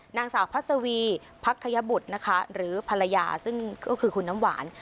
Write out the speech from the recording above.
นางสาวพัศวีพักขยบุตรนะคะหรือภรรยาซึ่งก็คือคุณน้ำหวาน